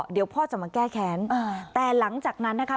เดี๋ยวพ่อจะมาแก้แค้นแต่หลังจากนั้นนะคะ